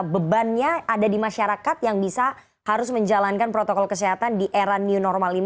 bebannya ada di masyarakat yang bisa harus menjalankan protokol kesehatan di era new normal ini